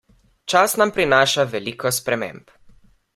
Čas nam prinaša veliko sprememb.